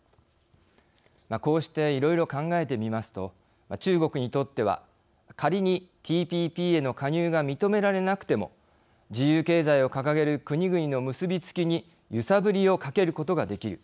こうしていろいろ考えてみますと中国にとっては仮にＴＰＰへの加入が認められなくても自由経済を掲げる国々の結び付きにゆさぶりをかけることができる。